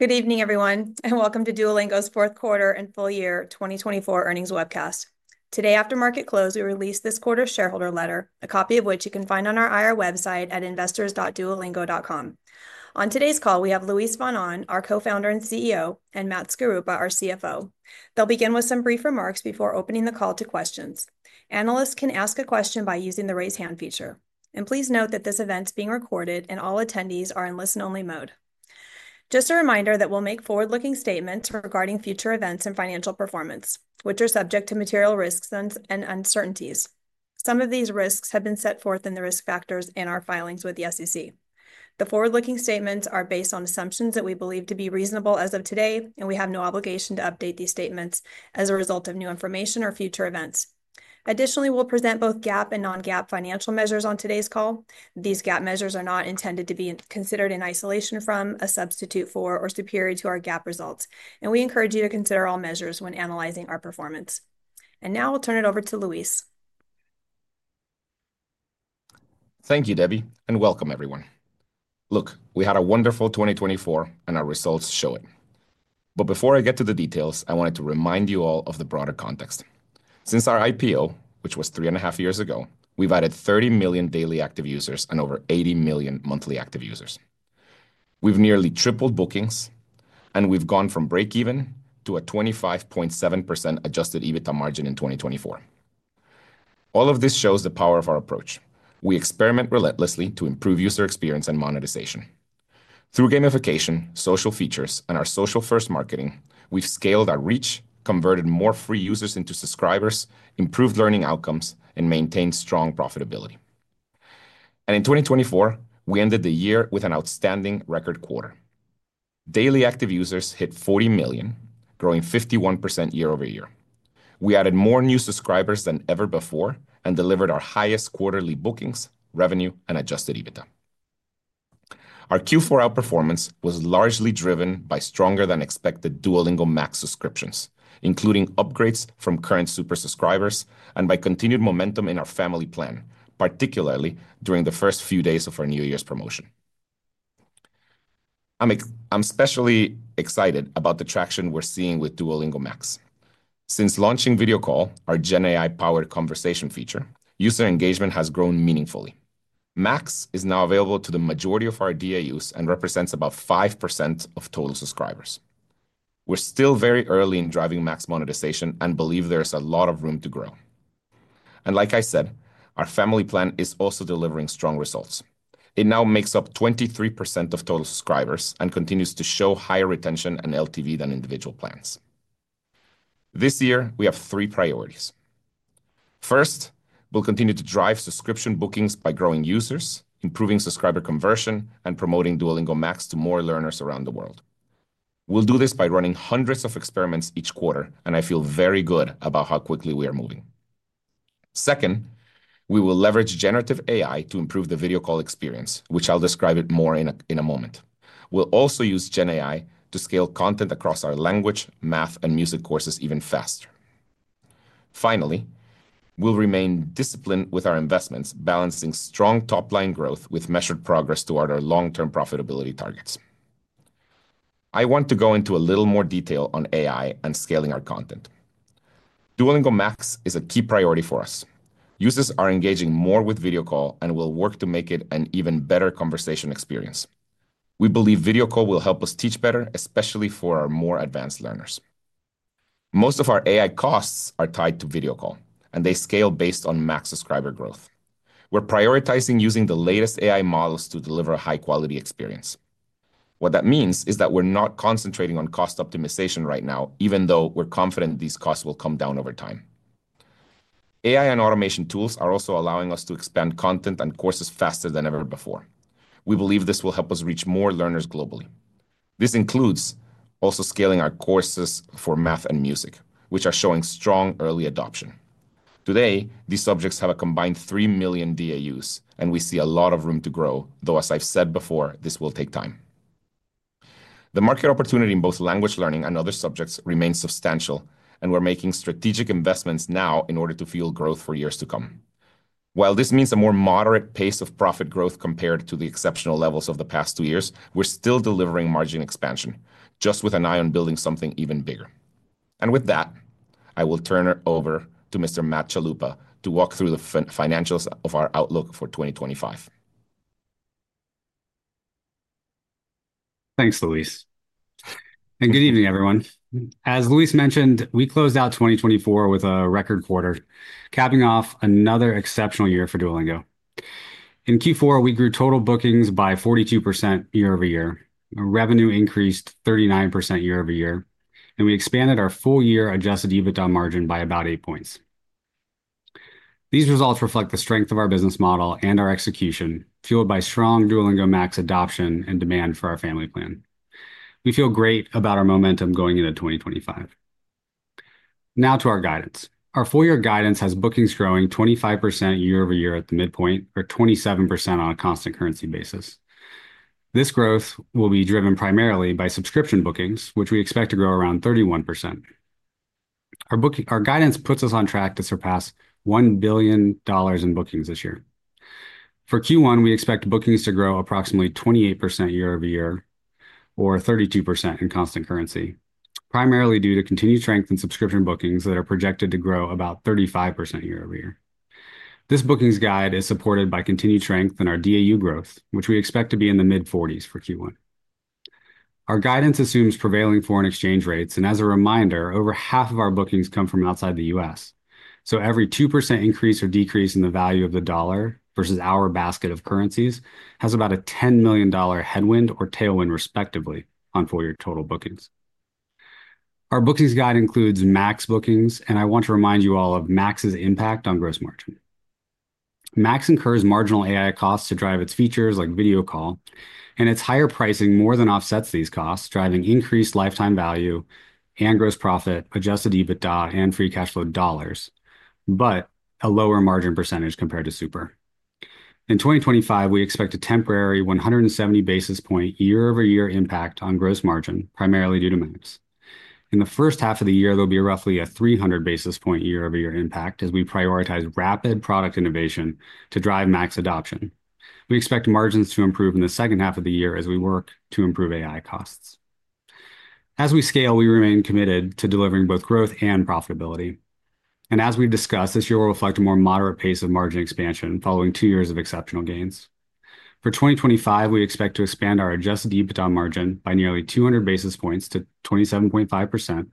Good evening, everyone, and welcome to Duolingo's fourth quarter and full year 2024 earnings webcast. Today, after market close, we released this quarter's shareholder letter, a copy of which you can find on our IR website at investors.duolingo.com. On today's call, we have Luis von Ahn, our co-founder and CEO, and Matt Skaruppa, our CFO. They'll begin with some brief remarks before opening the call to questions. Analysts can ask a question by using the raise hand feature. And please note that this event is being recorded, and all attendees are in listen-only mode. Just a reminder that we'll make forward-looking statements regarding future events and financial performance, which are subject to material risks and uncertainties. Some of these risks have been set forth in the risk factors in our filings with the SEC. The forward-looking statements are based on assumptions that we believe to be reasonable as of today, and we have no obligation to update these statements as a result of new information or future events. Additionally, we'll present both GAAP and non-GAAP financial measures on today's call. These GAAP measures are not intended to be considered in isolation from, a substitute for, or superior to our GAAP results, and we encourage you to consider all measures when analyzing our performance. And now I'll turn it over to Luis. Thank you, Debbie, and welcome, everyone. Look, we had a wonderful 2024, and our results show it. But before I get to the details, I wanted to remind you all of the broader context. Since our IPO, which was three and a half years ago, we've added 30 million daily active users and over 80 million monthly active users. We've nearly tripled bookings, and we've gone from break-even to a 25.7% Adjusted EBITDA margin in 2024. All of this shows the power of our approach. We experiment relentlessly to improve user experience and monetization. Through gamification, social features, and our social-first marketing, we've scaled our reach, converted more free users into subscribers, improved learning outcomes, and maintained strong profitability. And in 2024, we ended the year with an outstanding record quarter. Daily active users hit 40 million, growing 51% year-over-year. We added more new subscribers than ever before and delivered our highest quarterly bookings, revenue, and Adjusted EBITDA. Our Q4 outperformance was largely driven by stronger-than-expected Duolingo Max subscriptions, including upgrades from current Super subscribers, and by continued momentum in our Family Plan, particularly during the first few days of our New Year's promotion. I'm especially excited about the traction we're seeing with Duolingo Max. Since launching Video Call, our GenAI-powered conversation feature, user engagement has grown meaningfully. Max is now available to the majority of our DAUs and represents about 5% of total subscribers. We're still very early in driving Max monetization and believe there is a lot of room to grow, and like I said, our Family Plan is also delivering strong results. It now makes up 23% of total subscribers and continues to show higher retention and LTV than individual plans. This year, we have three priorities. First, we'll continue to drive subscription bookings by growing users, improving subscriber conversion, and promoting Duolingo Max to more learners around the world. We'll do this by running hundreds of experiments each quarter, and I feel very good about how quickly we are moving. Second, we will leverage generative AI to improve the Video Call experience, which I'll describe more in a moment. We'll also use GenAI to scale content across our language, math, and music courses even faster. Finally, we'll remain disciplined with our investments, balancing strong top-line growth with measured progress toward our long-term profitability targets. I want to go into a little more detail on AI and scaling our content. Duolingo Max is a key priority for us. Users are engaging more with Video Call, and we'll work to make it an even better conversation experience. We believe Video Call will help us teach better, especially for our more advanced learners. Most of our AI costs are tied to Video Call, and they scale based on Max subscriber growth. We're prioritizing using the latest AI models to deliver a high-quality experience. What that means is that we're not concentrating on cost optimization right now, even though we're confident these costs will come down over time. AI and automation tools are also allowing us to expand content and courses faster than ever before. We believe this will help us reach more learners globally. This includes also scaling our courses for math and music, which are showing strong early adoption. Today, these subjects have a combined three million DAUs, and we see a lot of room to grow, though, as I've said before, this will take time. The market opportunity in both language learning and other subjects remains substantial, and we're making strategic investments now in order to fuel growth for years to come. While this means a more moderate pace of profit growth compared to the exceptional levels of the past two years, we're still delivering margin expansion, just with an eye on building something even bigger. And with that, I will turn it over to Mr. Matt Chalupa to walk through the financials of our outlook for 2025. Thanks, Luis. And good evening, everyone. As Luis mentioned, we closed out 2024 with a record quarter, capping off another exceptional year for Duolingo. In Q4, we grew total bookings by 42% year-over-year, revenue increased 39% year-over-year, and we expanded our full year Adjusted EBITDA margin by about eight points. These results reflect the strength of our business model and our execution, fueled by strong Duolingo Max adoption and demand for our Family Plan. We feel great about our momentum going into 2025. Now to our guidance. Our four-year guidance has bookings growing 25% year-over-year at the midpoint, or 27% on a constant currency basis. This growth will be driven primarily by subscription bookings, which we expect to grow around 31%. Our guidance puts us on track to surpass $1 billion in bookings this year. For Q1, we expect bookings to grow approximately 28% year-over-year, or 32% in constant currency, primarily due to continued strength in subscription bookings that are projected to grow about 35% year-over-year. This bookings guide is supported by continued strength in our DAU growth, which we expect to be in the mid-40s for Q1. Our guidance assumes prevailing foreign exchange rates, and as a reminder, over half of our bookings come from outside the U.S. So every 2% increase or decrease in the value of the dollar versus our basket of currencies has about a $10 million headwind or tailwind, respectively, on full year total bookings. Our bookings guide includes Max bookings, and I want to remind you all of Max's impact on gross margin. Max incurs marginal AI costs to drive its features like Video Call, and its higher pricing more than offsets these costs, driving increased lifetime value and gross profit, Adjusted EBITDA, and free cash flow dollars, but a lower margin percentage compared to Super. In 2025, we expect a temporary 170 basis points year-over-year impact on gross margin, primarily due to Max. In the first half of the year, there'll be roughly a 300 basis points year-over-year impact as we prioritize rapid product innovation to drive Max adoption. We expect margins to improve in the second half of the year as we work to improve AI costs. As we scale, we remain committed to delivering both growth and profitability. and as we discussed, this year will reflect a more moderate pace of margin expansion following two years of exceptional gains. For 2025, we expect to expand our Adjusted EBITDA margin by nearly 200 basis points to 27.5%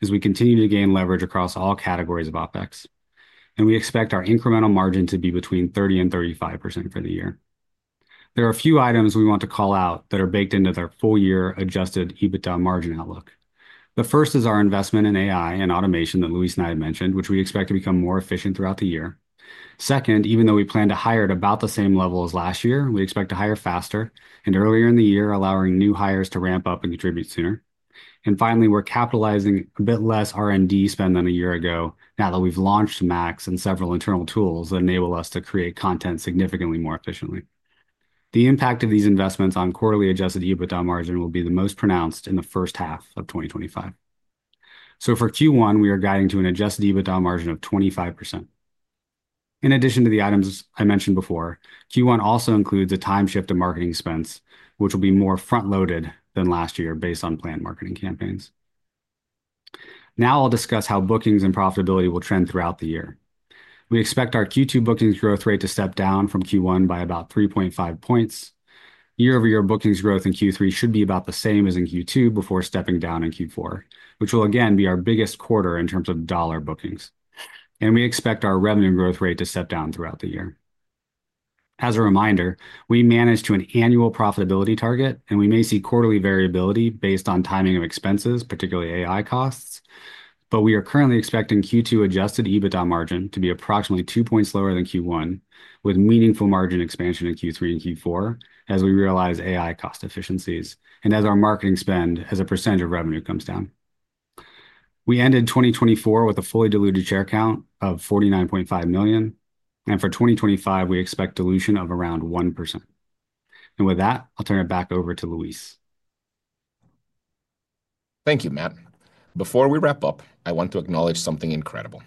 as we continue to gain leverage across all categories of OpEx. And we expect our incremental margin to be between 30% and 35% for the year. There are a few items we want to call out that are baked into their full year Adjusted EBITDA margin outlook. The first is our investment in AI and automation that Luis and I had mentioned, which we expect to become more efficient throughout the year. Second, even though we plan to hire at about the same level as last year, we expect to hire faster and earlier in the year, allowing new hires to ramp up and contribute sooner. Finally, we're capitalizing a bit less R&D spend than a year ago now that we've launched Max and several internal tools that enable us to create content significantly more efficiently. The impact of these investments on quarterly Adjusted EBITDA margin will be the most pronounced in the first half of 2025. For Q1, we are guiding to an Adjusted EBITDA margin of 25%. In addition to the items I mentioned before, Q1 also includes a time shift in marketing expense, which will be more front-loaded than last year based on planned marketing campaigns. Now I'll discuss how bookings and profitability will trend throughout the year. We expect our Q2 bookings growth rate to step down from Q1 by about 3.5 points. Year-over-year bookings growth in Q3 should be about the same as in Q2 before stepping down in Q4, which will again be our biggest quarter in terms of dollar bookings. We expect our revenue growth rate to step down throughout the year. As a reminder, we managed to an annual profitability target, and we may see quarterly variability based on timing of expenses, particularly AI costs. We are currently expecting Q2 Adjusted EBITDA margin to be approximately two points lower than Q1, with meaningful margin expansion in Q3 and Q4 as we realize AI cost efficiencies and as our marketing spend as a percentage of revenue comes down. We ended 2024 with a fully diluted share count of 49.5 million, and for 2025, we expect dilution of around 1%. With that, I'll turn it back over to Luis. Thank you, Matt. Before we wrap up, I want to acknowledge something incredible.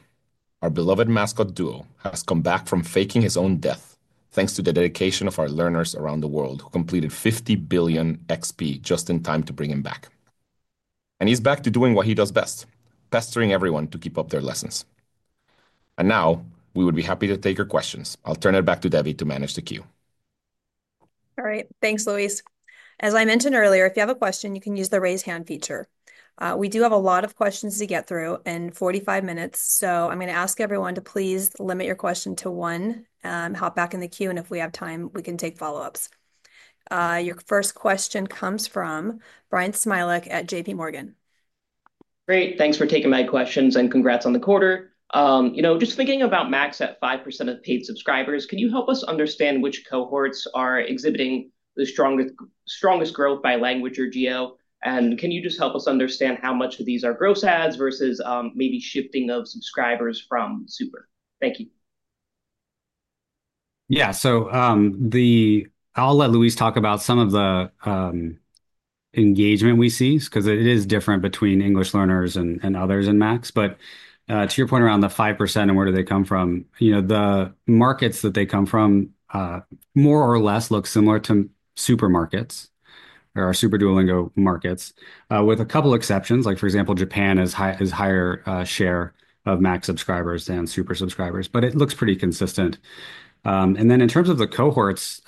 Our beloved mascot Duo has come back from faking his own death thanks to the dedication of our learners around the world who completed 50 billion XP just in time to bring him back, and he's back to doing what he does best, pestering everyone to keep up their lessons, and now we would be happy to take your questions. I'll turn it back to Debbie to manage the queue. All right, thanks, Luis. As I mentioned earlier, if you have a question, you can use the raise hand feature. We do have a lot of questions to get through in 45 minutes, so I'm going to ask everyone to please limit your question to one, hop back in the queue, and if we have time, we can take follow-ups. Your first question comes from Bryan Smilek at JPMorgan. Great, thanks for taking my questions and congrats on the quarter. Just thinking about Max at 5% of paid subscribers, can you help us understand which cohorts are exhibiting the strongest growth by language or geo? And can you just help us understand how much of these are gross adds versus maybe shifting of subscribers from Super? Thank you. Yeah, so I'll let Luis talk about some of the engagement we see because it is different between English learners and others in Max. But to your point around the 5% and where do they come from, the markets that they come from more or less look similar to our markets or our Super Duolingo markets, with a couple of exceptions, like for example, Japan is a higher share of Max subscribers than Super subscribers, but it looks pretty consistent. And then in terms of the cohorts,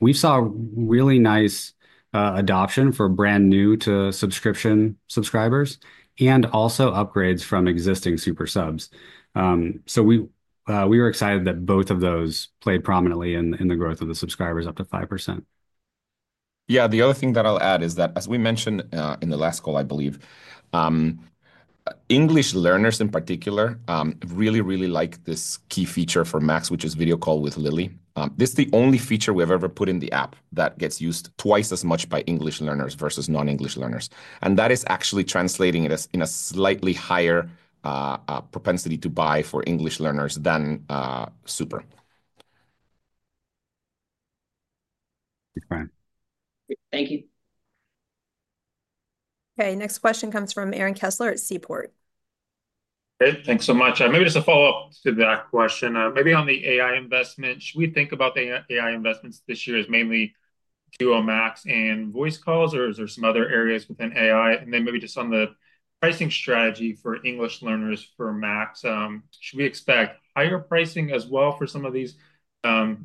we saw really nice adoption for brand new to subscription subscribers and also upgrades from existing Super subs. So we were excited that both of those played prominently in the growth of the subscribers up to 5%. Yeah, the other thing that I'll add is that, as we mentioned in the last call, I believe, English learners in particular really, really like this key feature for Max, which is Video Call with Lily. This is the only feature we've ever put in the app that gets used twice as much by English learners versus non-English learners. And that is actually translating it in a slightly higher propensity to buy for English learners than Super. Thank you. Okay, next question comes from Aaron Kessler at Seaport. Hey, thanks so much. Maybe just a follow-up to that question. Maybe on the AI investment, should we think about the AI investments this year as mainly Duo Max and voice calls, or is there some other areas within AI? And then maybe just on the pricing strategy for English learners for Max, should we expect higher pricing as well for some of these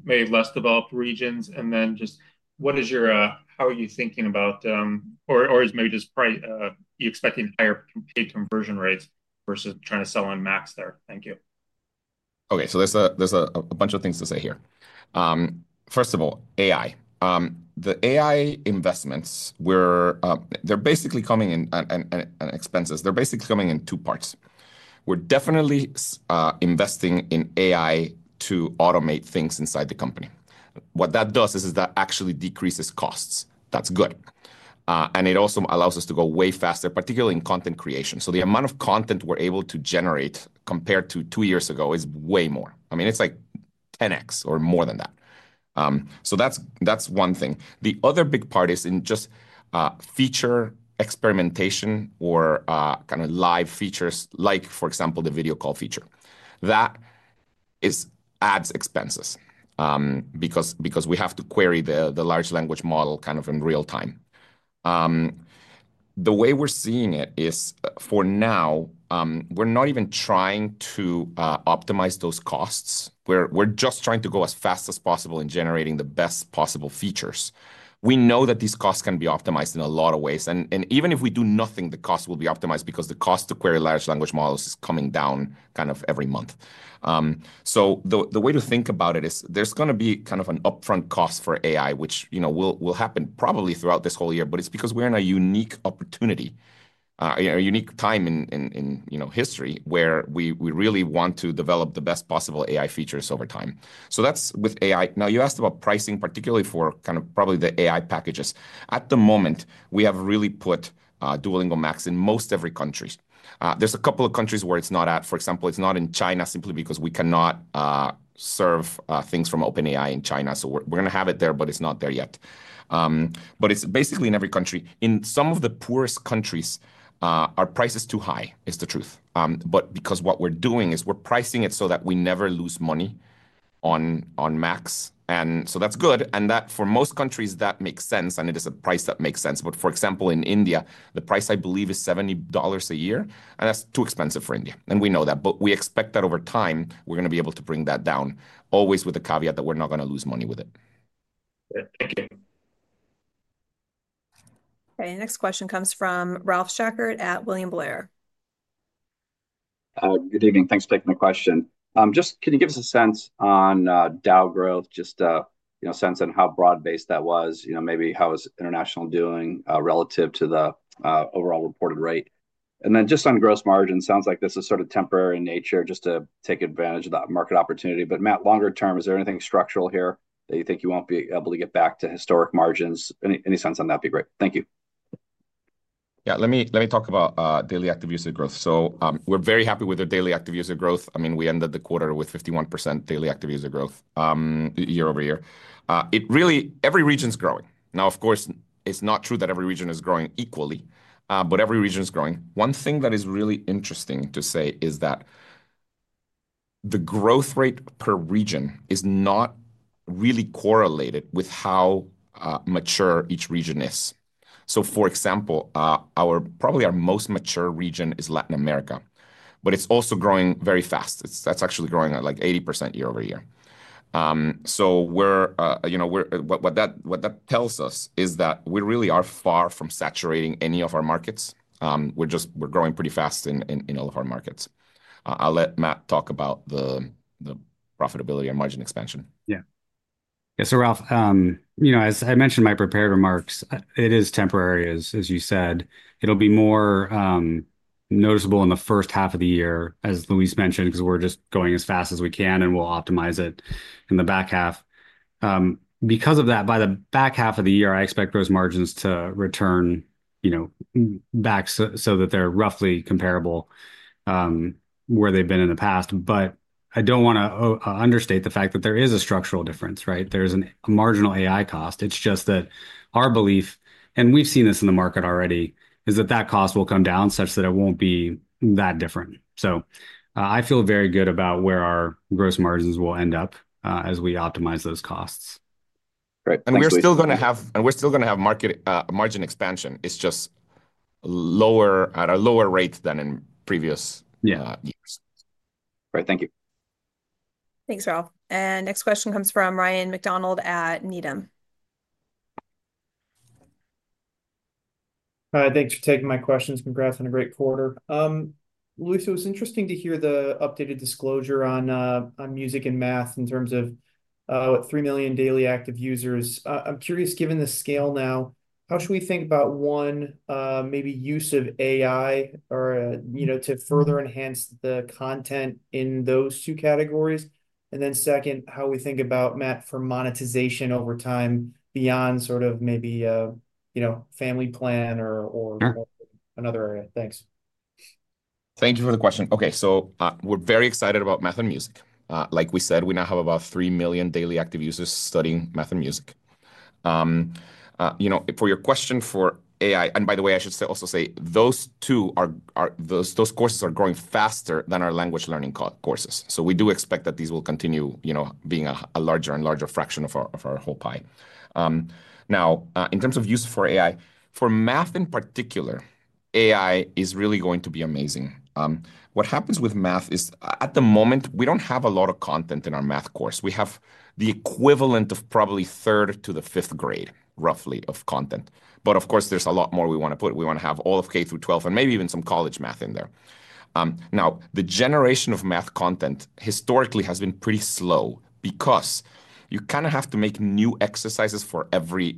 maybe less developed regions? And then just what is your, how are you thinking about, or is maybe just are you expecting higher paid conversion rates versus trying to sell on Max there? Thank you. Okay, so there's a bunch of things to say here. First of all, AI. The AI investments, they're basically coming in, and expenses, they're basically coming in two parts. We're definitely investing in AI to automate things inside the company. What that does is that actually decreases costs. That's good. And it also allows us to go way faster, particularly in content creation. So the amount of content we're able to generate compared to two years ago is way more. I mean, it's like 10x or more than that. So that's one thing. The other big part is in just feature experimentation or kind of live features, like for example, the Video Call feature. That adds expenses because we have to query the large language model kind of in real time. The way we're seeing it is for now, we're not even trying to optimize those costs. We're just trying to go as fast as possible in generating the best possible features. We know that these costs can be optimized in a lot of ways. And even if we do nothing, the cost will be optimized because the cost to query large language models is coming down kind of every month. So the way to think about it is there's going to be kind of an upfront cost for AI, which will happen probably throughout this whole year, but it's because we're in a unique opportunity, a unique time in history where we really want to develop the best possible AI features over time. So that's with AI. Now, you asked about pricing, particularly for kind of probably the AI packages. At the moment, we have really put Duolingo Max in most every country. There's a couple of countries where it's not at. For example, it's not in China simply because we cannot serve things from OpenAI in China, so we're going to have it there, but it's not there yet, but it's basically in every country. In some of the poorest countries, our price is too high, is the truth, but because what we're doing is we're pricing it so that we never lose money on Max, and so that's good, and that for most countries, that makes sense, and it is a price that makes sense, but for example, in India, the price I believe is $70 a year, and that's too expensive for India, and we know that, but we expect that over time, we're going to be able to bring that down, always with the caveat that we're not going to lose money with it. Thank you. Okay, next question comes from Ralph Schackart at William Blair. Good evening. Thanks for taking the question. Just can you give us a sense on DAU growth, just a sense on how broad-based that was, maybe how is international doing relative to the overall reported rate? And then just on gross margin, sounds like this is sort of temporary in nature just to take advantage of that market opportunity. But Matt, longer term, is there anything structural here that you think you won't be able to get back to historic margins? Any sense on that would be great. Thank you. Yeah, let me talk about daily active user growth. So we're very happy with our daily active user growth. I mean, we ended the quarter with 51% daily active user growth year-over-year. It really, every region's growing. Now, of course, it's not true that every region is growing equally, but every region is growing. One thing that is really interesting to say is that the growth rate per region is not really correlated with how mature each region is. So for example, probably our most mature region is Latin America, but it's also growing very fast. That's actually growing at like 80% year-over-year. So what that tells us is that we really are far from saturating any of our markets. We're growing pretty fast in all of our markets. I'll let Matt talk about the profitability and margin expansion. Yeah. Yeah, so Ralph, as I mentioned in my prepared remarks, it is temporary, as you said. It'll be more noticeable in the first half of the year, as Luis mentioned, because we're just going as fast as we can and we'll optimize it in the back half. Because of that, by the back half of the year, I expect those margins to return back so that they're roughly comparable where they've been in the past. But I don't want to understate the fact that there is a structural difference, right? There is a marginal AI cost. It's just that our belief, and we've seen this in the market already, is that that cost will come down such that it won't be that different. So I feel very good about where our gross margins will end up as we optimize those costs. Right. And we're still going to have margin expansion. It's just at a lower rate than in previous years. Yeah. Right, thank you. Thanks, Ralph. And next question comes from Ryan MacDonald at Needham. Hi, thanks for taking my questions. Congrats on a great quarter. Luis, it was interesting to hear the updated disclosure on music and math in terms of what, three million daily active users. I'm curious, given the scale now, how should we think about one, maybe use of AI to further enhance the content in those two categories? And then second, how we think about, Matt, for monetization over time beyond sort of maybe family plan or another area? Thanks. Thank you for the question. Okay, so we're very excited about math and music. Like we said, we now have about 3 million daily active users studying math and music. For your question for AI, and by the way, I should also say those courses are growing faster than our language learning courses. So we do expect that these will continue being a larger and larger fraction of our whole pie. Now, in terms of use for AI, for math in particular, AI is really going to be amazing. What happens with math is at the moment, we don't have a lot of content in our math course. We have the equivalent of probably third to the fifth grade, roughly, of content. But of course, there's a lot more we want to put. We want to have all of K through 12 and maybe even some college math in there. Now, the generation of math content historically has been pretty slow because you kind of have to make new exercises for every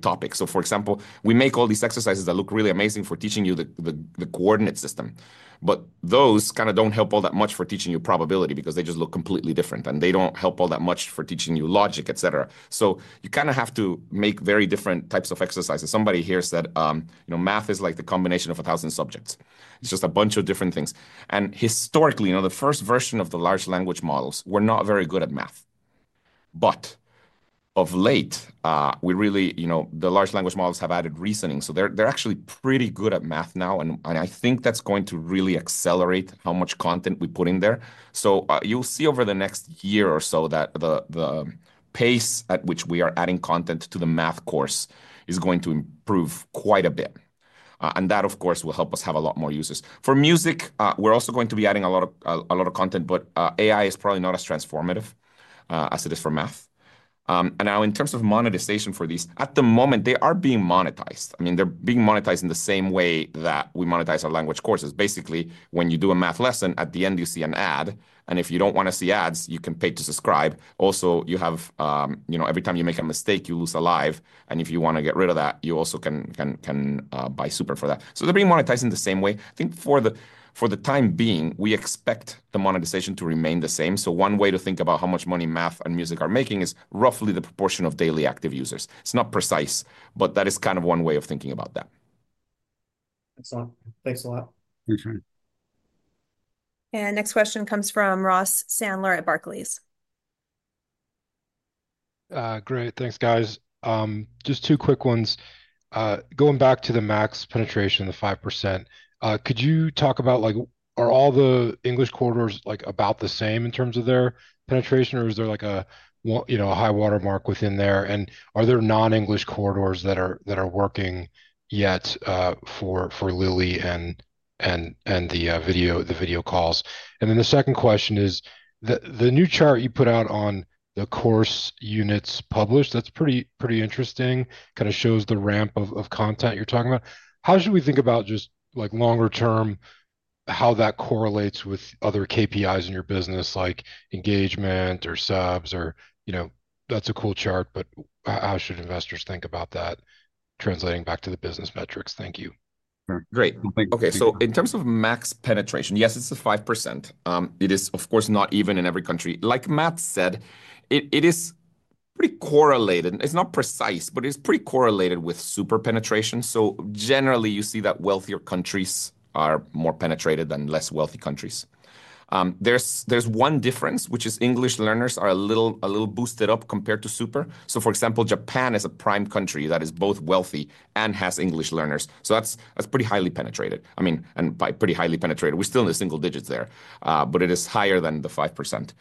topic. So for example, we make all these exercises that look really amazing for teaching you the coordinate system. But those kind of don't help all that much for teaching you probability because they just look completely different. And they don't help all that much for teaching you logic, et cetera. So you kind of have to make very different types of exercises. Somebody here said math is like the combination of a thousand subjects. It's just a bunch of different things. And historically, the first version of the large language models were not very good at math. But of late, the large language models have added reasoning. So they're actually pretty good at math now. I think that's going to really accelerate how much content we put in there. So you'll see over the next year or so that the pace at which we are adding content to the math course is going to improve quite a bit. And that, of course, will help us have a lot more users. For music, we're also going to be adding a lot of content, but AI is probably not as transformative as it is for math. And now in terms of monetization for these, at the moment, they are being monetized. I mean, they're being monetized in the same way that we monetize our language courses. Basically, when you do a math lesson, at the end, you see an ad. And if you don't want to see ads, you can pay to subscribe. Also, every time you make a mistake, you lose a life. And if you want to get rid of that, you also can buy Super for that. So they're being monetized in the same way. I think for the time being, we expect the monetization to remain the same. So one way to think about how much money math and music are making is roughly the proportion of daily active users. It's not precise, but that is kind of one way of thinking about that. Excellent. Thanks a lot. Next question comes from Ross Sandler at Barclays. Great. Thanks, guys. Just two quick ones. Going back to the Max penetration, the 5%, could you talk about are all the English corridors about the same in terms of their penetration, or is there a high watermark within there? And are there non-English corridors that are working yet for Lily and the Video Calls? And then the second question is the new chart you put out on the course units published. That's pretty interesting, kind of shows the ramp of content you're talking about. How should we think about just longer term, how that correlates with other KPIs in your business, like engagement or subs? That's a cool chart, but how should investors think about that translating back to the business metrics? Thank you. Great. Okay, so in terms of Max penetration, yes, it's a 5%. It is, of course, not even in every country. Like Matt said, it is pretty correlated. It's not precise, but it's pretty correlated with Super penetration. So generally, you see that wealthier countries are more penetrated than less wealthy countries. There's one difference, which is English learners are a little boosted up compared to Super. So for example, Japan is a prime country that is both wealthy and has English learners. So that's pretty highly penetrated. I mean, and by pretty highly penetrated, we're still in the single digits there, but it is higher than the 5%.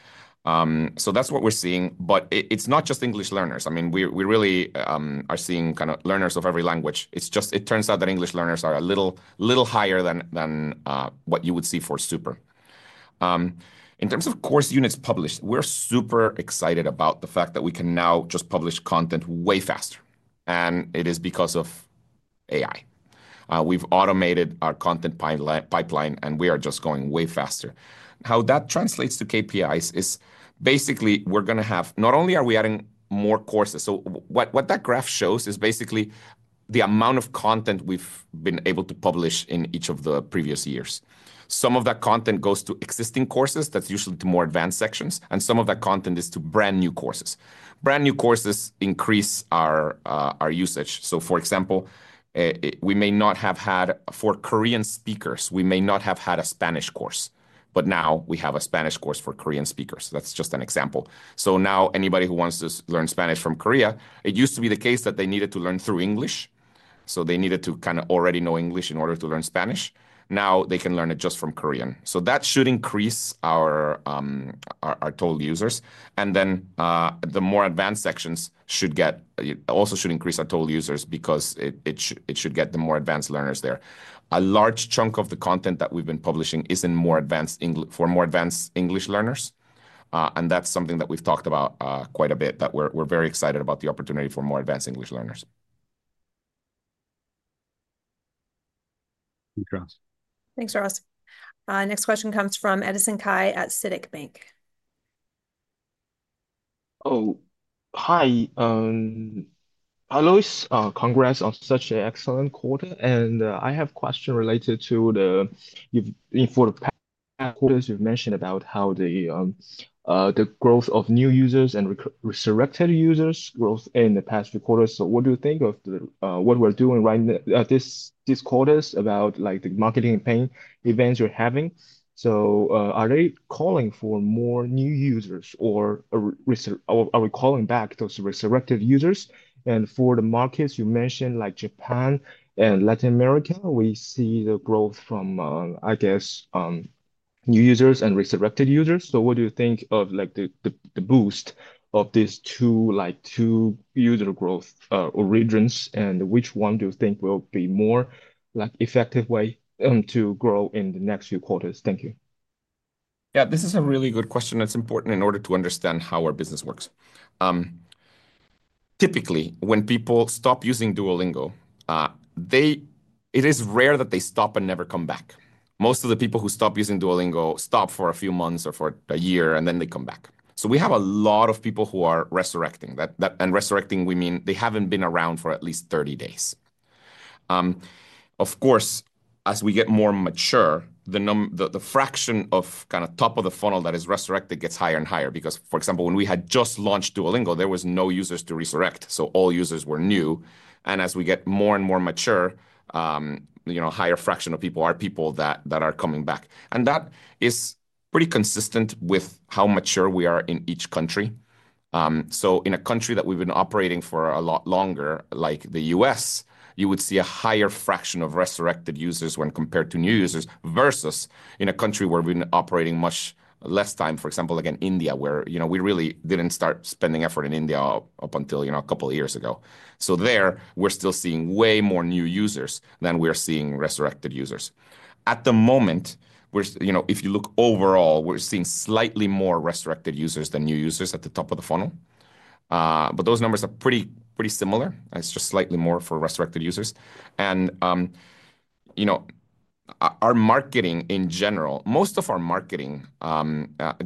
So that's what we're seeing. But it's not just English learners. I mean, we really are seeing kind of learners of every language. It turns out that English learners are a little higher than what you would see for Super. In terms of course units published, we're super excited about the fact that we can now just publish content way faster, and it is because of AI. We've automated our content pipeline, and we are just going way faster. How that translates to KPIs is basically we're going to have not only are we adding more courses, so what that graph shows is basically the amount of content we've been able to publish in each of the previous years. Some of that content goes to existing courses. That's usually to more advanced sections, and some of that content is to brand new courses. Brand new courses increase our usage, so for example, we may not have had for Korean speakers, we may not have had a Spanish course. But now we have a Spanish course for Korean speakers. That's just an example. So now, anybody who wants to learn Spanish from Korea, it used to be the case that they needed to learn through English. So they needed to kind of already know English in order to learn Spanish. Now they can learn it just from Korean. So that should increase our total users. And then the more advanced sections should also increase our total users because it should get the more advanced learners there. A large chunk of the content that we've been publishing is in more advanced English for more advanced English learners. And that's something that we've talked about quite a bit that we're very excited about the opportunity for more advanced English learners. Thanks, Ralph. Thanks, Ralph. Next question comes from Eddison Cai at CITIC Bank. Oh, hi. Hi, Luis. Congrats on such an excellent quarter. I have a question related to the past quarters. You've mentioned about how the growth of new users and resurrected users in the past few quarters. What do you think of what we're doing right now this quarter about the marketing campaign events we're having? Are they calling for more new users or are we calling back those resurrected users? For the markets you mentioned, like Japan and Latin America, we see the growth from, I guess, new users and resurrected users. What do you think of the boost of these two user growth regions? Which one do you think will be a more effective way to grow in the next few quarters? Thank you. Yeah, this is a really good question that's important in order to understand how our business works. Typically, when people stop using Duolingo, it is rare that they stop and never come back. Most of the people who stop using Duolingo stop for a few months or for a year, and then they come back. So we have a lot of people who are resurrecting. And resurrecting, we mean they haven't been around for at least 30 days. Of course, as we get more mature, the fraction of kind of top of the funnel that is resurrected gets higher and higher because, for example, when we had just launched Duolingo, there were no users to resurrect. So all users were new. And as we get more and more mature, a higher fraction of people are people that are coming back. And that is pretty consistent with how mature we are in each country. So in a country that we've been operating for a lot longer, like the U.S., you would see a higher fraction of resurrected users when compared to new users versus in a country where we've been operating much less time, for example, like in India, where we really didn't start spending effort in India up until a couple of years ago. So there, we're still seeing way more new users than we are seeing resurrected users. At the moment, if you look overall, we're seeing slightly more resurrected users than new users at the top of the funnel. But those numbers are pretty similar. It's just slightly more for resurrected users. Our marketing in general, most of our marketing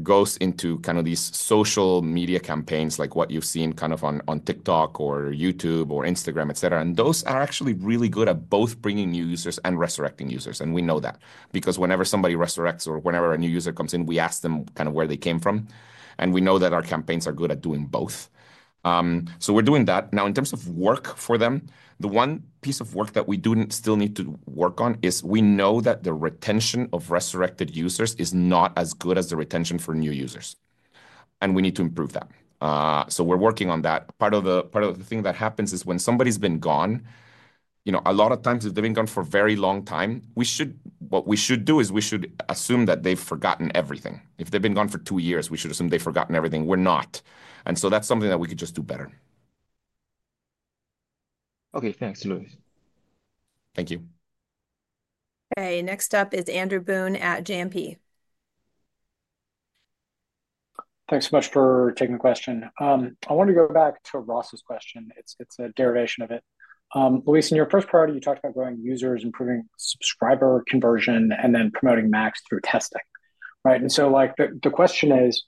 goes into kind of these social media campaigns like what you've seen kind of on TikTok or YouTube or Instagram, et cetera. Those are actually really good at both bringing new users and resurrecting users. We know that because whenever somebody resurrects or whenever a new user comes in, we ask them kind of where they came from. We know that our campaigns are good at doing both. We're doing that. Now, in terms of work for them, the one piece of work that we still need to work on is we know that the retention of resurrected users is not as good as the retention for new users. We need to improve that. We're working on that. Part of the thing that happens is when somebody's been gone, a lot of times if they've been gone for a very long time, what we should do is we should assume that they've forgotten everything. If they've been gone for two years, we should assume they've forgotten everything. We're not, and so that's something that we could just do better. Okay, thanks, Luis. Thank you. Okay, next up is Andrew Boone at JMP. Thanks so much for taking the question. I want to go back to Ross's question. It's a derivation of it. Luis, in your first priority, you talked about growing users, improving subscriber conversion, and then promoting Max through testing. And so the question is,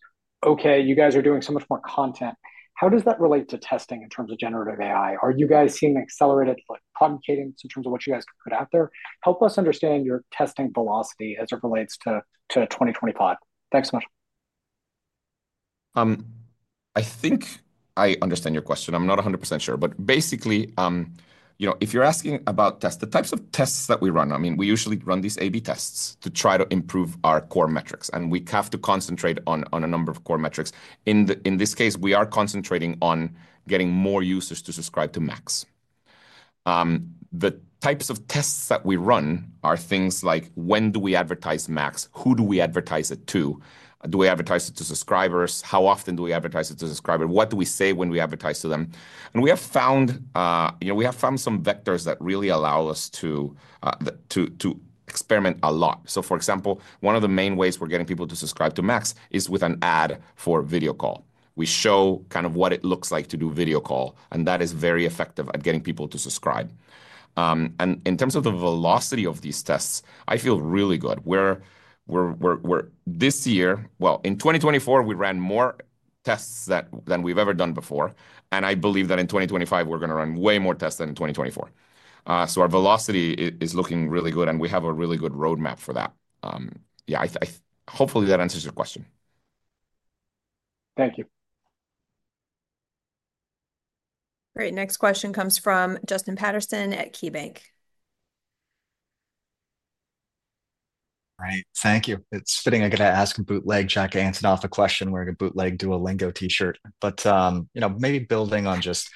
okay, you guys are doing so much more content. How does that relate to testing in terms of generative AI? Are you guys seeing accelerated prompt cadence in terms of what you guys can put out there? Help us understand your testing velocity as it relates to 2025. Thanks so much. I think I understand your question. I'm not 100% sure, but basically, if you're asking about tests, the types of tests that we run, I mean, we usually run these A/B tests to try to improve our core metrics, and we have to concentrate on a number of core metrics. In this case, we are concentrating on getting more users to subscribe to Max. The types of tests that we run are things like when do we advertise Max? Who do we advertise it to? Do we advertise it to subscribers? How often do we advertise it to subscribers? What do we say when we advertise to them, and we have found some vectors that really allow us to experiment a lot, so for example, one of the main ways we're getting people to subscribe to Max is with an ad for Video Call. We show kind of what it looks like to do Video Call. And that is very effective at getting people to subscribe. And in terms of the velocity of these tests, I feel really good. This year, well, in 2024, we ran more tests than we've ever done before. And I believe that in 2025, we're going to run way more tests than in 2024. So our velocity is looking really good. And we have a really good roadmap for that. Yeah, hopefully that answers your question. Thank you. All right, next question comes from Justin Patterson at KeyBanc. All right, thank you. It's fitting I get to ask and bootleg Jack Antonoff a question wearing a bootleg Duolingo T-shirt, but maybe building on just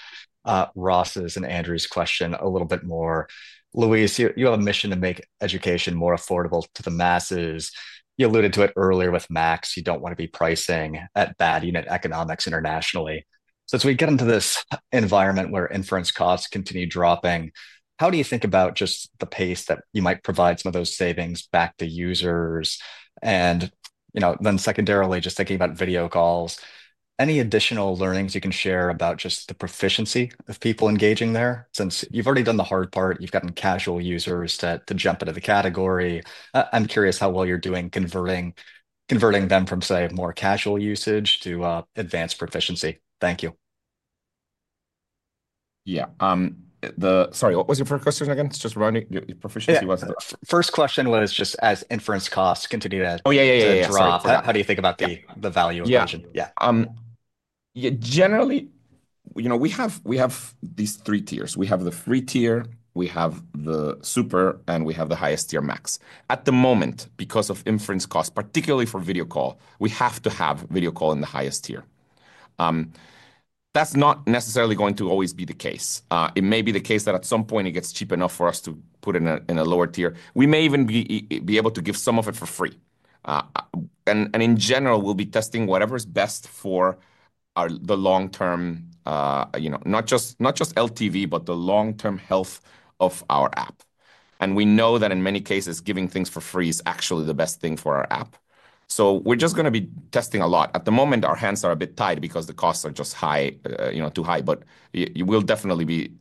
Ross's and Andrew's question a little bit more, Luis. You have a mission to make education more affordable to the masses. You alluded to it earlier with Max. You don't want to be pricing at bad unit economics internationally, so as we get into this environment where inference costs continue dropping, how do you think about just the pace that you might provide some of those savings back to users? And then secondarily, just thinking about Video Calls, any additional learnings you can share about just the proficiency of people engaging there? Since you've already done the hard part, you've gotten casual users to jump into the category. I'm curious how well you're doing converting them from, say, more casual usage to advanced proficiency. Thank you. Yeah. Sorry, what was your first question again? Just remind me. Your proficiency was. First question was just as inference costs continue to. Oh, yeah, yeah, yeah, drop. How do you think about the value equation? Yeah. Generally, we have these three tiers. We have the free tier, we have the Super, and we have the highest tier Max. At the moment, because of inference costs, particularly for Video Call, we have to have Video Call in the highest tier. That's not necessarily going to always be the case. It may be the case that at some point it gets cheap enough for us to put in a lower tier. We may even be able to give some of it for free, and in general, we'll be testing whatever is best for the long-term, not just LTV, but the long-term health of our app. We know that in many cases, giving things for free is actually the best thing for our app. So we're just going to be testing a lot. At the moment, our hands are a bit tied because the costs are just too high. But we'll definitely be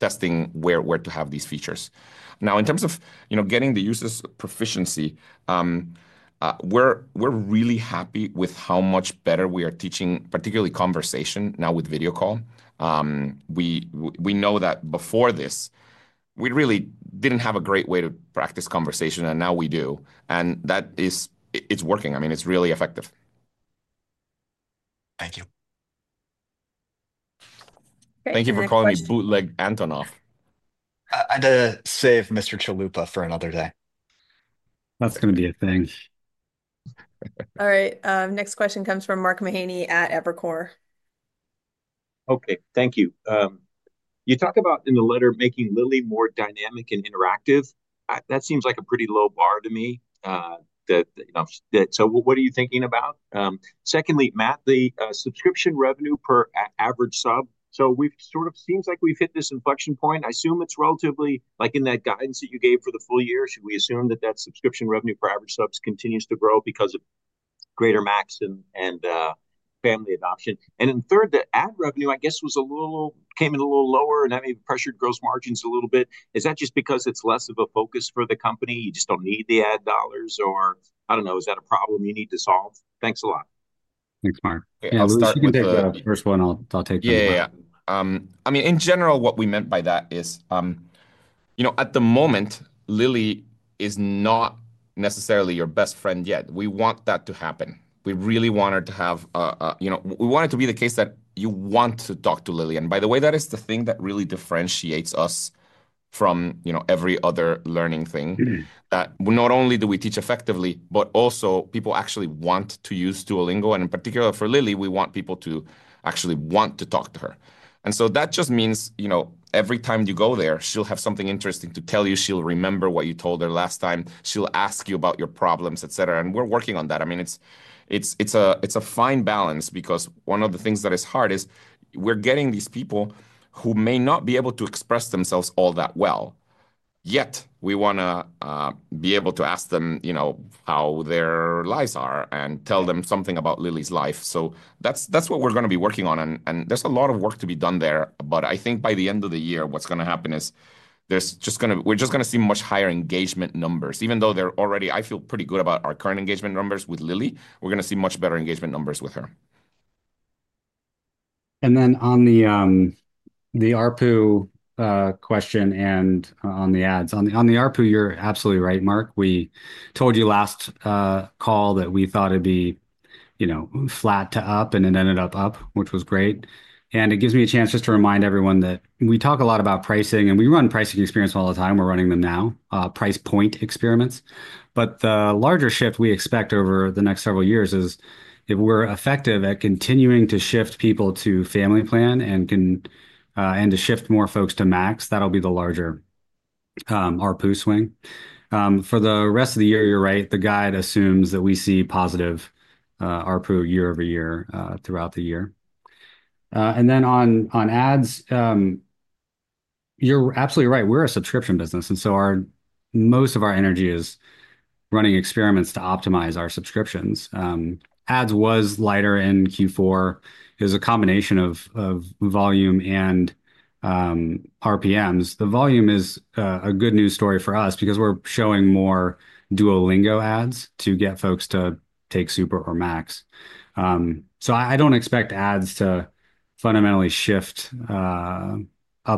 testing where to have these features. Now, in terms of getting the users' proficiency, we're really happy with how much better we are teaching, particularly conversation now with Video Call. We know that before this, we really didn't have a great way to practice conversation. And now we do. And it's working. I mean, it's really effective. Thank you. Thank you for calling me bootleg Antonoff. Save Mr. Chalupa for another day. That's going to be a thing. All right, next question comes from Mark Mahaney at Evercore. Okay, thank you. You talk about in the letter making Lily more dynamic and interactive. That seems like a pretty low bar to me. So what are you thinking about? Secondly, Matt, the subscription revenue per average sub. So it sort of seems like we've hit this inflection point. I assume it's relatively like in that guidance that you gave for the full year. Should we assume that that subscription revenue per average subs continues to grow because of greater Max and family adoption? And then third, the ad revenue, I guess, came in a little lower and that maybe pressured gross margins a little bit. Is that just because it's less of a focus for the company? You just don't need the ad dollars or I don't know, is that a problem you need to solve? Thanks a lot. Thanks, Mark. I'll start with the first one. I'll take it. Yeah. I mean, in general, what we meant by that is at the moment, Lily is not necessarily your best friend yet. We want that to happen. We really want it to be the case that you want to talk to Lily. And by the way, that is the thing that really differentiates us from every other learning thing. Not only do we teach effectively, but also people actually want to use Duolingo. And in particular, for Lily, we want people to actually want to talk to her. And so that just means every time you go there, she'll have something interesting to tell you. She'll remember what you told her last time. She'll ask you about your problems, et cetera. And we're working on that. I mean, it's a fine balance because one of the things that is hard is we're getting these people who may not be able to express themselves all that well. Yet we want to be able to ask them how their lives are and tell them something about Lily's life. So that's what we're going to be working on. And there's a lot of work to be done there. But I think by the end of the year, what's going to happen is we're just going to see much higher engagement numbers. Even though I feel pretty good about our current engagement numbers with Lily, we're going to see much better engagement numbers with her. And then on the ARPU question and on the ads, on the ARPU, you're absolutely right, Mark. We told you last call that we thought it'd be flat to up and it ended up up, which was great. And it gives me a chance just to remind everyone that we talk a lot about pricing. And we run pricing experiments all the time. We're running them now, price point experiments. But the larger shift we expect over the next several years is if we're effective at continuing to shift people to Family Plan and to shift more folks to Max, that'll be the larger ARPU swing. For the rest of the year, you're right. The guide assumes that we see positive ARPU year-over-year throughout the year. And then on ads, you're absolutely right. We're a subscription business. Most of our energy is running experiments to optimize our subscriptions. Ads was lighter in Q4. It was a combination of volume and RPMs. The volume is a good news story for us because we're showing more Duolingo ads to get folks to take Super or Max. I don't expect ads to fundamentally shift up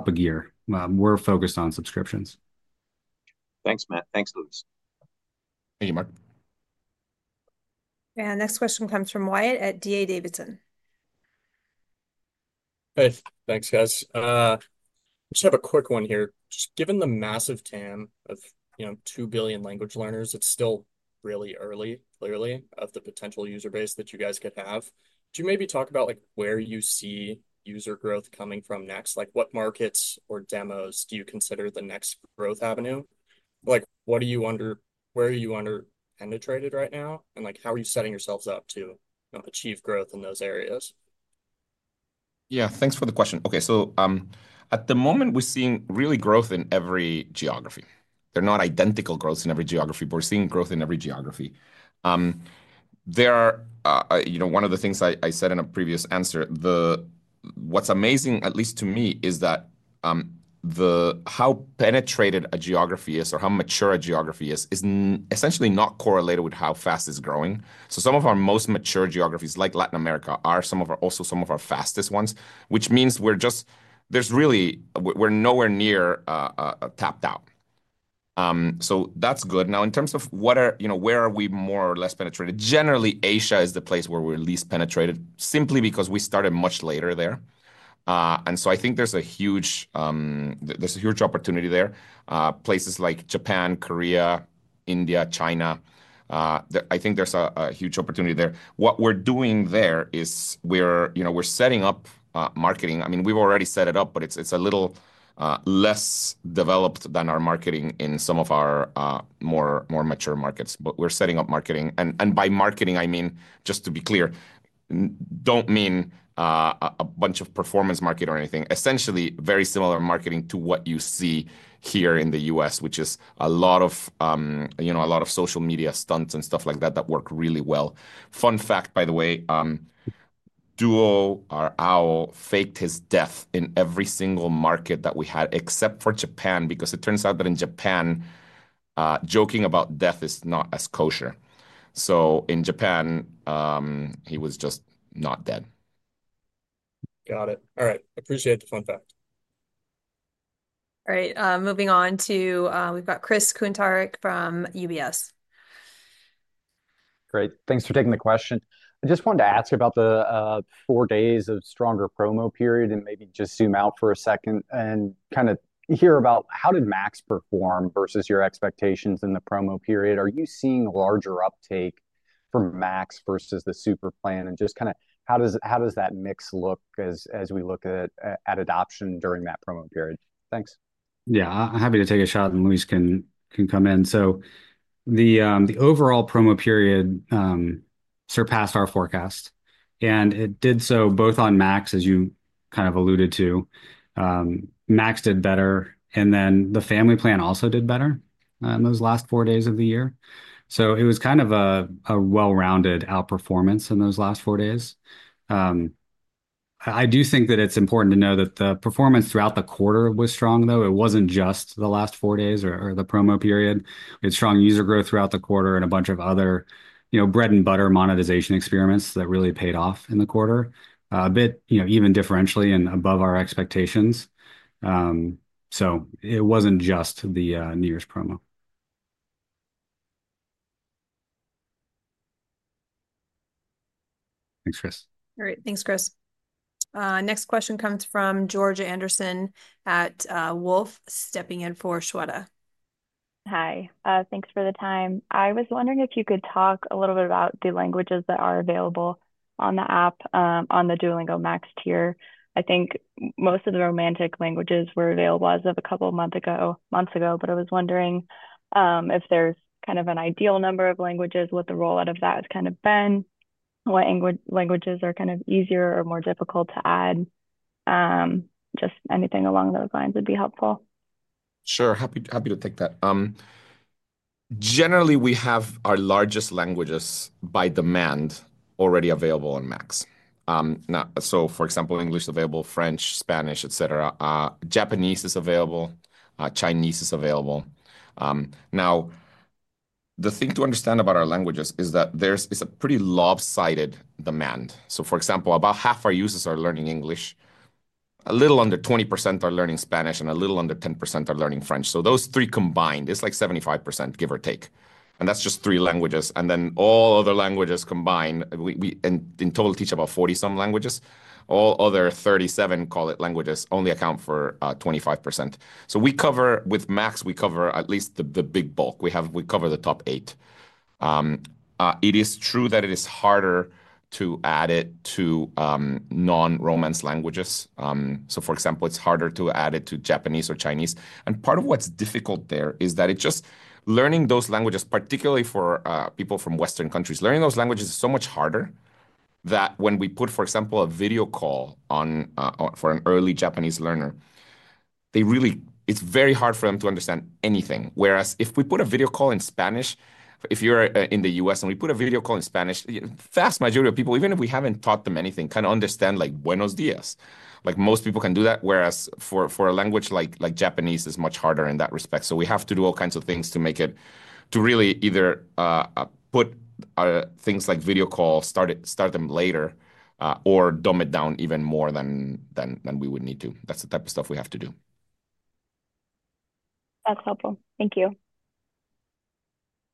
a gear. We're focused on subscriptions. Thanks, Matt. Thanks, Luis. Thank you, Mark. Next question comes from Wyatt at D.A. Davidson. Hey, thanks, guys. Just have a quick one here. Just given the massive TAM of 2 billion language learners, it's still really early, clearly, of the potential user base that you guys could have. Could you maybe talk about where you see user growth coming from next? What markets or demos do you consider the next growth avenue? Where are you under penetrated right now? And how are you setting yourselves up to achieve growth in those areas? Yeah, thanks for the question. Okay, so at the moment, we're seeing real growth in every geography. The growth is not identical in every geography, but we're seeing growth in every geography. One of the things I said in a previous answer, what's amazing, at least to me, is that how penetrated a geography is or how mature a geography is is essentially not correlated with how fast it's growing. So some of our most mature geographies, like Latin America, are also some of our fastest ones, which means we're really nowhere near tapped out. So that's good. Now, in terms of where are we more or less penetrated? Generally, Asia is the place where we're least penetrated simply because we started much later there. And so I think there's a huge opportunity there. Places like Japan, Korea, India, China, I think there's a huge opportunity there. What we're doing there is we're setting up marketing. I mean, we've already set it up, but it's a little less developed than our marketing in some of our more mature markets, but we're setting up marketing. And by marketing, I mean, just to be clear, I don't mean a bunch of performance market or anything. Essentially, very similar marketing to what you see here in the U.S., which is a lot of social media stunts and stuff like that that work really well. Fun fact, by the way, Duo, our owl faked his death in every single market that we had except for Japan because it turns out that in Japan, joking about death is not as kosher. So in Japan, he was just not dead. Got it. All right, appreciate the fun fact. All right, moving on to we've got Chris Kuntarich from UBS. Great, thanks for taking the question. I just wanted to ask about the four days of stronger promo period and maybe just zoom out for a second and kind of hear about how did Max perform versus your expectations in the promo period? Are you seeing a larger uptake from Max versus the Super plan? And just kind of how does that mix look as we look at adoption during that promo period? Thanks. Yeah, I'm happy to take a shot and Luis can come in. So the overall promo period surpassed our forecast. And it did so both on Max, as you kind of alluded to. Max did better. And then the family plan also did better in those last four days of the year. So it was kind of a well-rounded outperformance in those last four days. I do think that it's important to know that the performance throughout the quarter was strong, though. It wasn't just the last four days or the promo period. It's strong user growth throughout the quarter and a bunch of other bread-and-butter monetization experiments that really paid off in the quarter, even differentially and above our expectations. So it wasn't just the New Year's promo. Thanks, Chris. All right, thanks, Chris. Next question comes from Georgia Anderson at Wolfe, stepping in for Shweta. Hi, thanks for the time. I was wondering if you could talk a little bit about the languages that are available on the app on the Duolingo Max tier. I think most of the Romance languages were available as of a couple of months ago, but I was wondering if there's kind of an ideal number of languages, what the rollout of that has kind of been, what languages are kind of easier or more difficult to add. Just anything along those lines would be helpful. Sure, happy to take that. Generally, we have our largest languages by demand already available on Max. So for example, English is available, French, Spanish, et cetera. Japanese is available. Chinese is available. Now, the thing to understand about our languages is that there is a pretty lopsided demand. So for example, about half our users are learning English. A little under 20% are learning Spanish, and a little under 10% are learning French. So those three combined, it's like 75%, give or take, and that's just three languages, and then all other languages combined, in total, teach about 40-some languages. All other 37, call it, languages only account for 25%. So with Max, we cover at least the big bulk. We cover the top eight. It is true that it is harder to add it to non-Romance languages. So for example, it's harder to add it to Japanese or Chinese. And part of what's difficult there is that it's just learning those languages, particularly for people from Western countries, learning those languages is so much harder that when we put, for example, a Video Call for an early Japanese learner, it's very hard for them to understand anything. Whereas if we put a Video Call in Spanish, if you're in the U.S. and we put a Video Call in Spanish, the vast majority of people, even if we haven't taught them anything, kind of understand like Buenos Días. Most people can do that. Whereas for a language like Japanese, it's much harder in that respect. So we have to do all kinds of things to really either put things like Video Calls, start them later, or dumb it down even more than we would need to. That's the type of stuff we have to do. That's helpful. Thank you.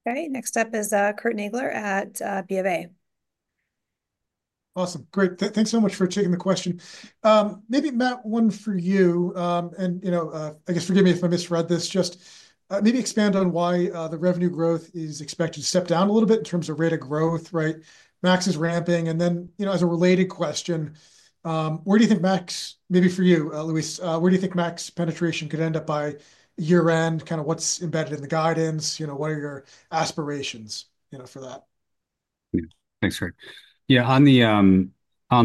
All right, next up is Curtis Nagle at BofA. Awesome. Great. Thanks so much for taking the question. Maybe, Matt, one for you, and I guess forgive me if I misread this. Just maybe expand on why the revenue growth is expected to step down a little bit in terms of rate of growth, right? Max is ramping, and then as a related question, where do you think Max, maybe for you, Luis, where do you think Max penetration could end up by year-end? Kind of what's embedded in the guidance? What are your aspirations for that? Thanks, Curt. Yeah, on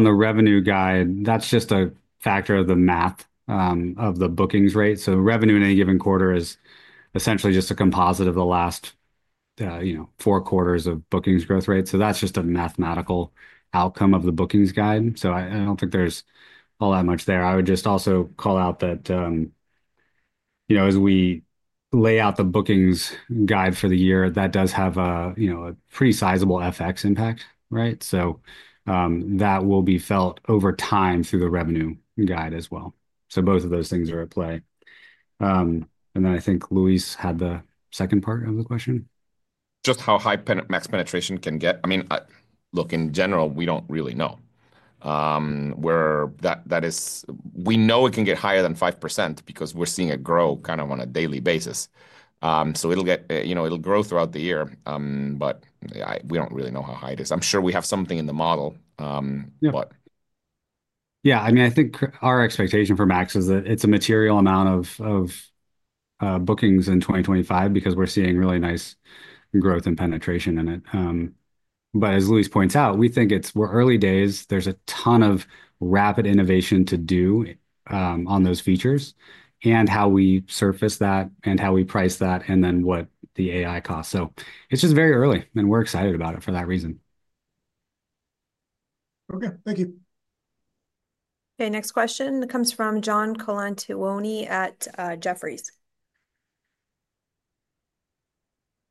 the revenue guide, that's just a factor of the math of the bookings rate. So revenue in any given quarter is essentially just a composite of the last four quarters of bookings growth rate. So that's just a mathematical outcome of the bookings guide. So I don't think there's all that much there. I would just also call out that as we lay out the bookings guide for the year, that does have a pretty sizable FX impact, right? So that will be felt over time through the revenue guide as well. So both of those things are at play. And then I think Luis had the second part of the question. Just how high Max penetration can get. I mean, look, in general, we don't really know. We know it can get higher than 5% because we're seeing it grow kind of on a daily basis. So it'll grow throughout the year, but we don't really know how high it is. I'm sure we have something in the model, but. Yeah, I mean, I think our expectation for Max is that it's a material amount of bookings in 2025 because we're seeing really nice growth and penetration in it. But as Luis points out, we think it's early days. There's a ton of rapid innovation to do on those features and how we surface that and how we price that and then what the AI costs. So it's just very early, and we're excited about it for that reason. Okay, thank you. Okay, next question comes from John Colantuoni at Jefferies.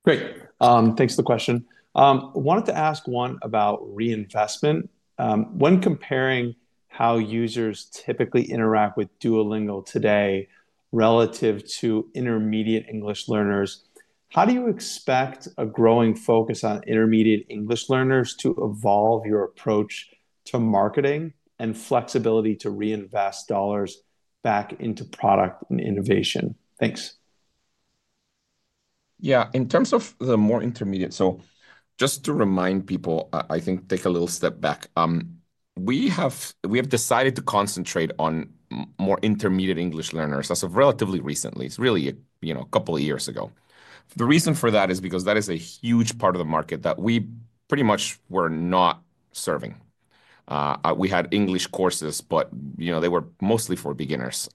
Great. Thanks for the question. Wanted to ask one about reinvestment. When comparing how users typically interact with Duolingo today relative to intermediate English learners, how do you expect a growing focus on intermediate English learners to evolve your approach to marketing and flexibility to reinvest dollars back into product and innovation? Thanks. Yeah, in terms of the more intermediate, so just to remind people, I think take a little step back. We have decided to concentrate on more intermediate English learners as of relatively recently. It's really a couple of years ago. The reason for that is because that is a huge part of the market that we pretty much were not serving. We had English courses, but they were mostly for beginners.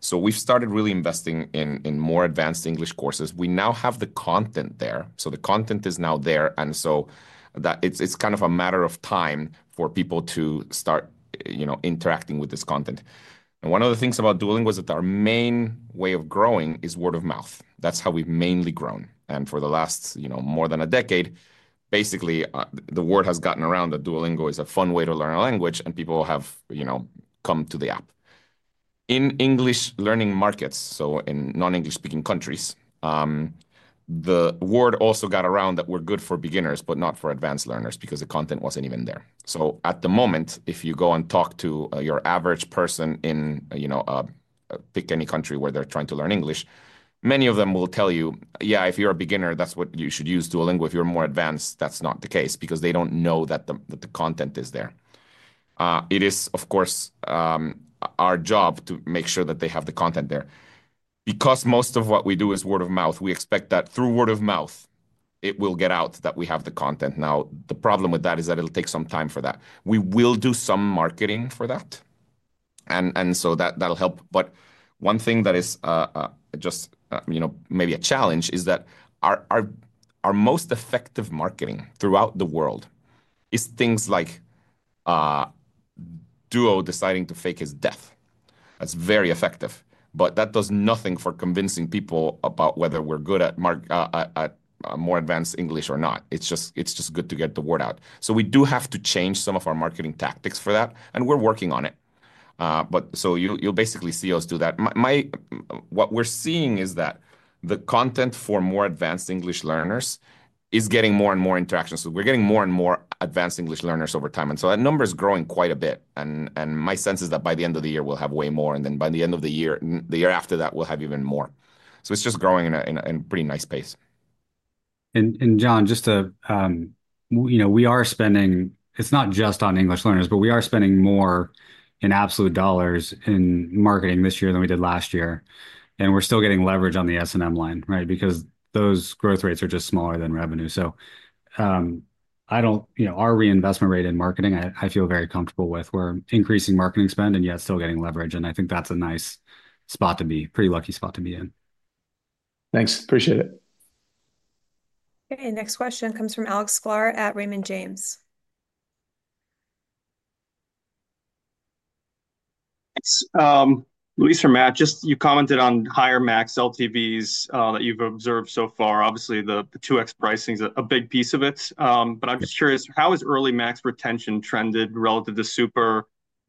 So we've started really investing in more advanced English courses. We now have the content there. So the content is now there. And so it's kind of a matter of time for people to start interacting with this content. And one of the things about Duolingo is that our main way of growing is word of mouth. That's how we've mainly grown. For the last more than a decade, basically, the word has gotten around that Duolingo is a fun way to learn a language, and people have come to the app. In English learning markets, so in non-English-speaking countries, the word also got around that we're good for beginners, but not for advanced learners because the content wasn't even there. At the moment, if you go and talk to your average person in pick any country where they're trying to learn English, many of them will tell you, "Yeah, if you're a beginner, that's what you should use Duolingo. If you're more advanced, that's not the case," because they don't know that the content is there. It is, of course, our job to make sure that they have the content there. Because most of what we do is word of mouth, we expect that through word of mouth, it will get out that we have the content. Now, the problem with that is that it'll take some time for that. We will do some marketing for that, and so that'll help. But one thing that is just maybe a challenge is that our most effective marketing throughout the world is things like Duo deciding to fake his death. That's very effective, but that does nothing for convincing people about whether we're good at more advanced English or not. It's just good to get the word out. So we do have to change some of our marketing tactics for that, and we're working on it. So you'll basically see us do that. What we're seeing is that the content for more advanced English learners is getting more and more interaction. So we're getting more and more advanced English learners over time. And so that number is growing quite a bit. And my sense is that by the end of the year, we'll have way more. And then by the end of the year, the year after that, we'll have even more. So it's just growing in a pretty nice pace. John, just we are spending. It's not just on English learners, but we are spending more in absolute dollars in marketing this year than we did last year. We're still getting leverage on the S&M line, right? Because those growth rates are just smaller than revenue. Our reinvestment rate in marketing, I feel very comfortable with. We're increasing marketing spend, and yet still getting leverage. I think that's a nice spot to be, pretty lucky spot to be in. Thanks, appreciate it. Okay, next question comes from Alex Sklar at Raymond James. Thanks. Luis or Matt, just you commented on higher Max LTVs that you've observed so far. Obviously, the 2x pricing is a big piece of it. But I'm just curious, how has early Max retention trended relative to Super?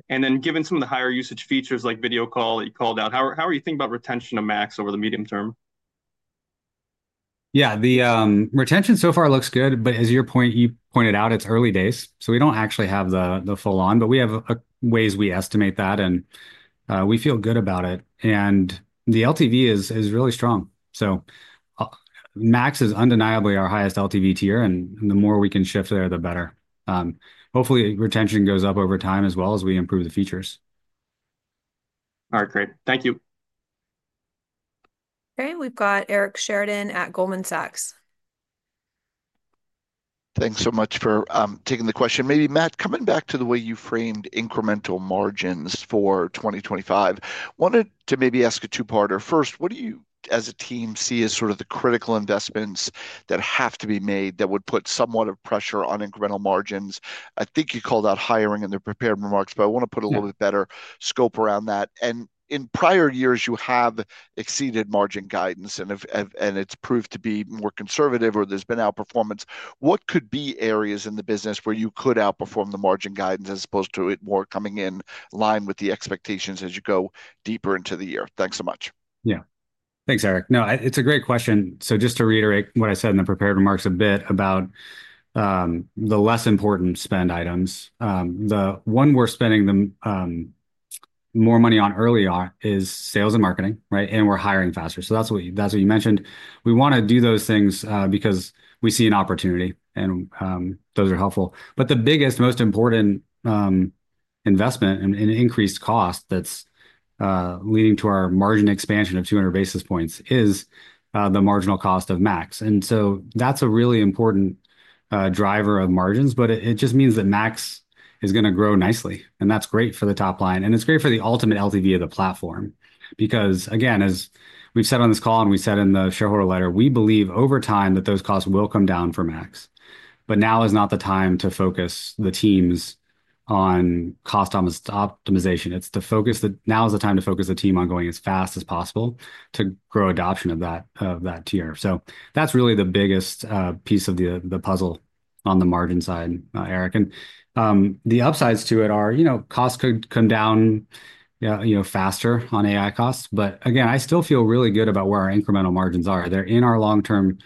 And then given some of the higher usage features like Video Call that you called out, how are you thinking about retention of Max over the medium term? Yeah, the retention so far looks good, but as you pointed out, it's early days. We don't actually have the full run, but we have ways we estimate that, and we feel good about it. The LTV is really strong. Max is undeniably our highest LTV tier, and the more we can shift there, the better. Hopefully, retention goes up over time as well as we improve the features. All right, great. Thank you. Okay, we've got Eric Sheridan at Goldman Sachs. Thanks so much for taking the question. Maybe, Matt, coming back to the way you framed incremental margins for 2025, I wanted to maybe ask a two-parter. First, what do you, as a team, see as sort of the critical investments that have to be made that would put somewhat of pressure on incremental margins? I think you called out hiring in the prepared remarks, but I want to put a little bit better scope around that, and in prior years, you have exceeded margin guidance, and it's proved to be more conservative, or there's been outperformance. What could be areas in the business where you could outperform the margin guidance as opposed to it more coming in line with the expectations as you go deeper into the year? Thanks so much. Yeah, thanks, Eric. No, it's a great question. So just to reiterate what I said in the prepared remarks a bit about the less important spend items, the one we're spending more money on early on is sales and marketing, right? And we're hiring faster. So that's what you mentioned. We want to do those things because we see an opportunity, and those are helpful. But the biggest, most important investment in increased cost that's leading to our margin expansion of 200 basis points is the marginal cost of Max. And so that's a really important driver of margins, but it just means that Max is going to grow nicely. And that's great for the top line. And it's great for the ultimate LTV of the platform because, again, as we've said on this call and we said in the shareholder letter, we believe over time that those costs will come down for Max. But now is not the time to focus the teams on cost optimization. Now is the time to focus the team on going as fast as possible to grow adoption of that tier. So that's really the biggest piece of the puzzle on the margin side, Eric. And the upsides to it are costs could come down faster on AI costs. But again, I still feel really good about where our incremental margins are. They're in our long-term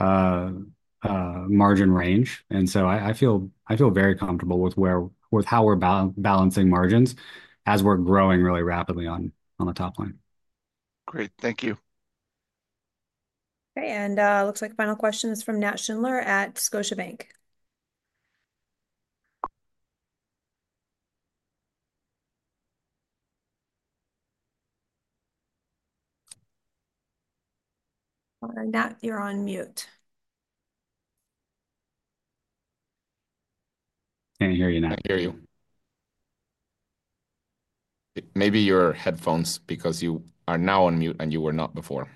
margin range. And so I feel very comfortable with how we're balancing margins as we're growing really rapidly on the top line. Great, thank you. Okay, and it looks like final questions from Nat Schindler at Scotiabank. Nat, you're on mute. Can't hear you, Nat. I hear you. Maybe your headphones, because you are now on mute and you were not before.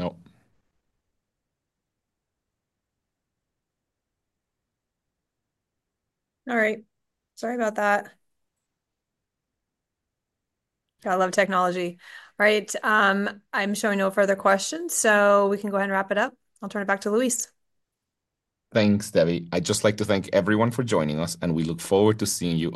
No. All right. Sorry about that. I love technology. All right. I'm showing no further questions, so we can go ahead and wrap it up. I'll turn it back to Luis. Thanks, Debbie. I'd just like to thank everyone for joining us, and we look forward to seeing you.